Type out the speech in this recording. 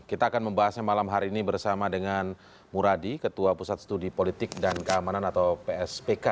kita akan membahasnya malam hari ini bersama dengan muradi ketua pusat studi politik dan keamanan atau pspk